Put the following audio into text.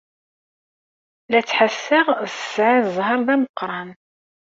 La ttḥassaɣ sɛiɣ zzheṛ d ameqran.